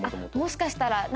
もしかしたら。